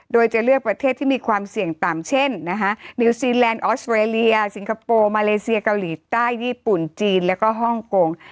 โดยจะเลือกประเทศที่มีความเสี่ยงต่ำเช่นนิวซีแลนดออสเตรเลียสิงคโปร์มาเลเซียเกาหลีใต้ญี่ปุ่นจีนแล้วก็ฮ่องกง